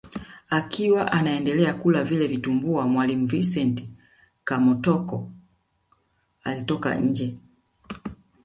Akiwa anaendelea kula vile vitumbua mwalimu Vincent Kamoto alitoka nje